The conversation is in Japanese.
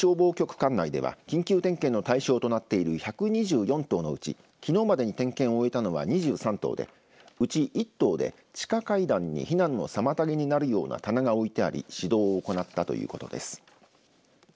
管内では緊急点検の対象となってる１２４棟のうちきのうまでに点検を終えたのは２３棟でうち１棟で地下階段に避難の妨げになるような棚が置いてあり指導を行ったということです。